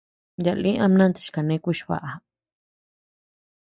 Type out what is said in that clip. Yaa lï ama nanta chi kane kuchba.